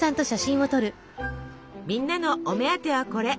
みんなのお目当てはこれ。